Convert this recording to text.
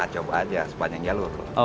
coba aja sepanjang jalur